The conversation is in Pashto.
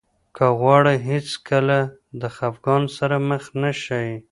که غواړئ هېڅکله د خفګان سره مخ نه شئ.